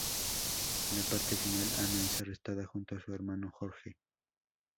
En la parte final Ana es arrestada junto a su hermano Jorge.